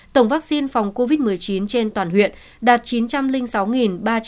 tổng vaccine phòng covid một mươi chín trên toàn huyện đạt chín trăm linh sáu ba trăm ba mươi một mũi